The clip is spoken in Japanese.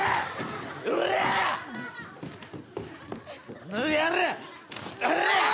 この野郎！